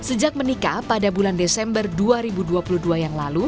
sejak menikah pada bulan desember dua ribu dua puluh dua yang lalu